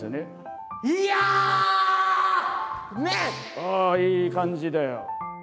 ああいい感じだよ。